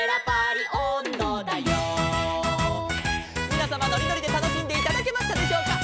「みなさまのりのりでたのしんでいただけましたでしょうか」